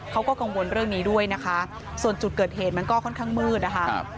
เขาก็กังวลเรื่องนี้ด้วยนะคะส่วนจุดเกิดเหตุมันก็ค่อนข้างมืดนะคะ